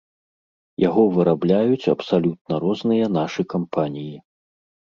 Яго вырабляюць абсалютна розныя нашы кампаніі.